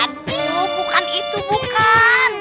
aduh bukan itu bukan